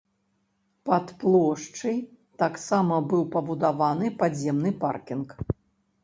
Пад плошчай таксама быў пабудаваны падземны паркінг.